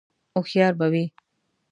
_هوښيار به وي؟